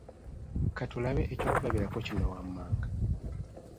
ka tulabe eky’okulabirako kino wammanga